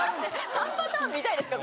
３パターン見たいですか？